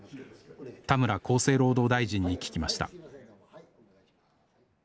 田村厚生労働大臣に聞きました